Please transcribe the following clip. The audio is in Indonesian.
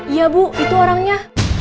iya bu itu orangnya